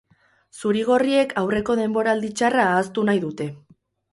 Zuri-gorriek aurreko denboraldi txarra ahaztu nahi dute.